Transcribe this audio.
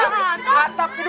ke atap kedua